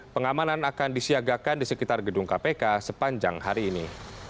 pengamanan akan disiagakan di sekitar gedung kpk sepanjang hari ini